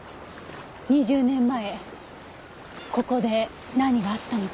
２０年前ここで何があったのか。